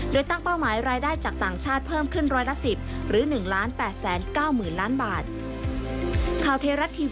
โดยตั้งเป้าหมายรายได้จากต่างชาติเพิ่มขึ้นร้อยละ๑๐หรือ๑๘๙๐๐๐ล้านบาท